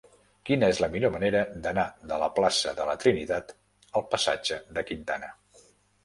Quina és la millor manera d'anar de la plaça de la Trinitat al passatge de Quintana?